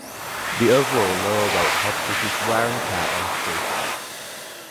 The overall lower weight helps reduce wear and tear on streets.